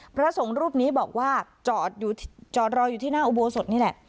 พระสงฆ์รูปนี้บอกว่าจอดอยู่จอดรออยู่ที่หน้าอุโบสถนี่แหละ